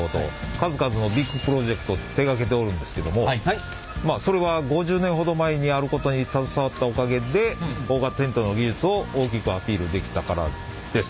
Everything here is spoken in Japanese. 数々のビッグプロジェクト手がけてるおるんですけどもそれは５０年ほど前にあることに携わったおかげで大型テントの技術を大きくアピールできたからです。